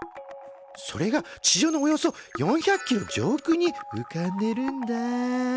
それが地上のおよそ４００ｋｍ上空にうかんでるんだ。